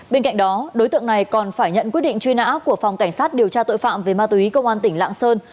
bên cạnh đó đối tượng này còn phải nhận quyết định truy nã của phòng cảnh sát điều tra tội phạm về ma túy công an tỉnh lạng sơn